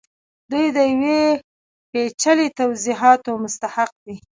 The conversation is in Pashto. دوی د یو پیچلي توضیحاتو مستحق دي